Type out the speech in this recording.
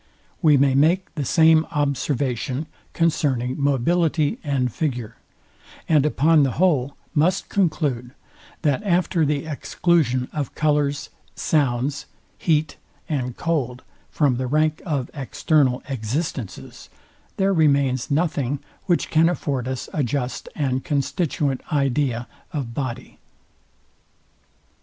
We may make the same observation concerning mobility and figure; and upon the whole must conclude, that after the exclusion of colours, sounds, heat and cold from the rank of external existences, there remains nothing, which can afford us a just and constituent idea of body.